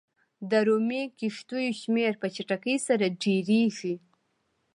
د رومي کښتیو شمېر په چټکۍ سره ډېرېږي.